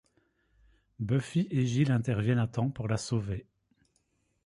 Buffy et Giles interviennent à temps pour la sauver.